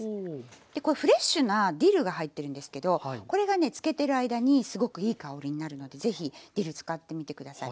でこうフレッシュなディルが入ってるんですけどこれがね漬けてる間にすごくいい香りになるので是非ディル使ってみて下さい。